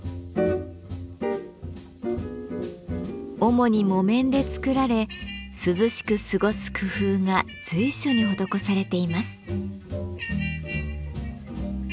主に木綿で作られ涼しく過ごす工夫が随所に施されています。